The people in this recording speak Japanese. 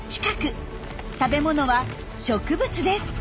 食べ物は植物です。